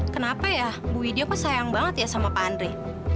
kenapa ya bu widia kok sayang banget ya sama pak andri